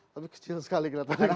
tapi kecil sekali kelihatannya